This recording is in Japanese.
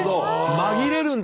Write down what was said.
紛れるんだ。